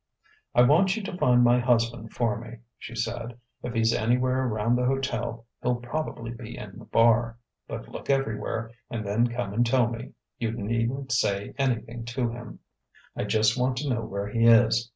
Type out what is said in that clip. "I want you to find my husband for me," she said. "If he's anywhere around the hotel, he'll probably be in the bar. But look everywhere, and then come and tell me. You needn't say anything to him. I just want to know where he is.